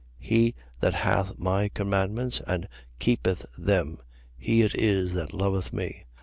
14:21. He that hath my commandments and keepeth them; he it is that loveth me.